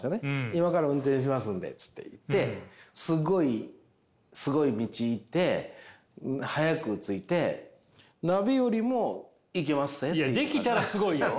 今から運転しますんでっつって行ってすっごいすごい道行って早く着いていやできたらすごいよ！